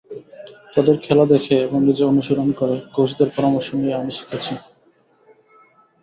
তাদের খেলা দেখে এবং নিজে অনুশীলন করে, কোচদের পরামর্শ নিয়ে আমি শিখেছি।